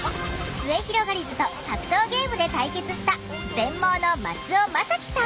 すゑひろがりずと格闘ゲームで対決した全盲の松尾政輝さん。